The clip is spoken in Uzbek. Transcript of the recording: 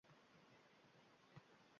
yuzlab musiqiy asarlarning muallifi